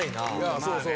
そうそう。